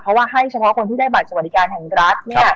เพราะว่าให้เฉพาะคนที่ได้บัตรสวรรค์การแห่งรัฐ